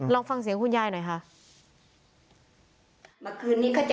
ลองฟังเสียงคุณยายหน่อยค่ะ